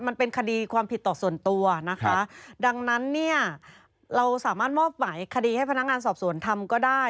มันเป็นคดีความผิดต่อส่วนตัวนะคะดังนั้นเนี่ยเราสามารถมอบหมายคดีให้พนักงานสอบสวนทำก็ได้